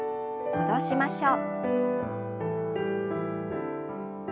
戻しましょう。